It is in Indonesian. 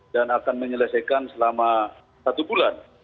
dan akan menyelesaikan selama satu bulan